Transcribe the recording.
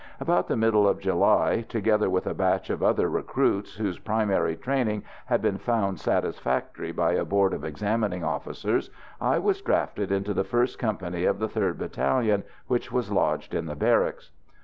About the middle of July, together with a batch of other recruits whose primary training had been found satisfactory by a board of examining officers, I was drafted into the 1st Company of the 3rd Battalion, which was lodged in the barracks.